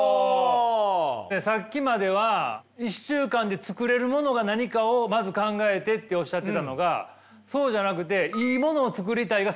さっきまでは１週間で作れるものが何かをまず考えてっておっしゃってたのがそうじゃなくて「いいものを作りたいが」